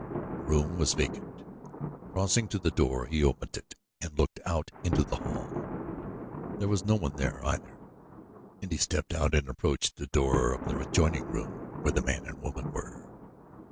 The room was vacant. Crossing to the door he opened it and looked out into the hall. There was no one there, either, and he stepped out and approached the door of the adjoining room where the man and woman were.